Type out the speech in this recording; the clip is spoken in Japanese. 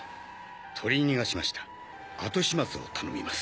取り逃がしました後始末を頼みます。